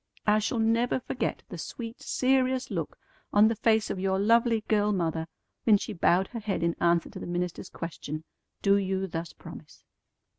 I shall never forget the sweet, serious look on the face of your lovely girl mother when she bowed her head in answer to the minister's question, 'Do you thus promise?'"